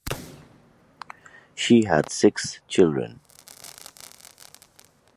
She had six children.